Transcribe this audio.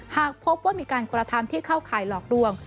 หากพบว่ามีการกระทำที่เข้าข่ายหลอกลวง